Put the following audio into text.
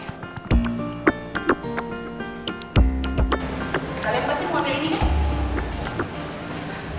kalian pasti mau pilih ini kan